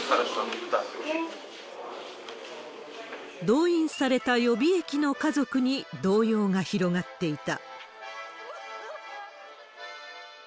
動員された予備役の家族に動揺が広がっていた。